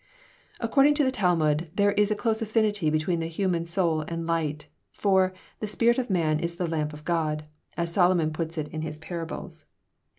According to the Talmud there is a close affinity between the human soul and light, for "the spirit of man is the lamp of God," as Solomon puts it in his Parables.